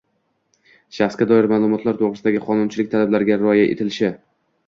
shaxsga doir ma’lumotlar to‘g‘risidagi qonunchilik talablariga rioya etilishi